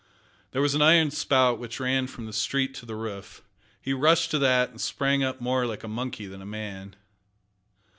There was an iron spout which ran from the street to the roof. He rushed to that, and sprang up more like a monkey than a man.